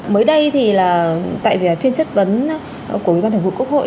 mới đây thì là tại vì phiên chất vấn của bộ yên bàn thành phục quốc hội